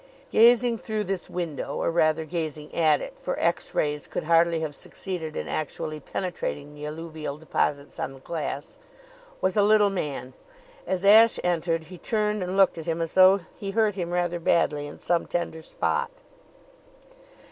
Gazing through this window or, rather, gazing at it, for X rays could hardly have succeeded in actually penetrating the alluvial deposits on the glass was a little man. As Ashe entered, he turned and looked at him as though he hurt him rather badly in some tender spot.